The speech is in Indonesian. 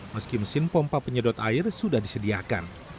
meski mesin pompa penyedot air sudah disediakan